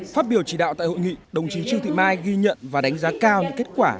phát biểu chỉ đạo tại hội nghị đồng chí trương thị mai ghi nhận và đánh giá cao những kết quả